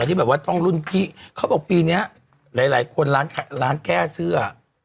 ที่แบบว่าต้องรุ่นพี่เขาบอกปีนี้หลายหลายคนร้านแก้เสื้อ